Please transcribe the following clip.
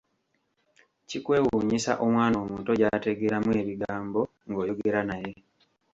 Kikwewuunyisa omwana omuto gy'ategeeramu ebigambo ng'oyogera naye.